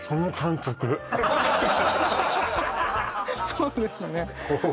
そうですね